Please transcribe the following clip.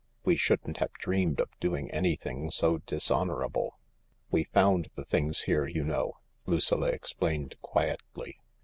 We shouldn't have dreamed of doing anything so dishonourable." " We found the things here, you know," Lucilla explained quietly.